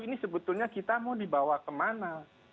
ini sebetulnya kita mau dibawa kemana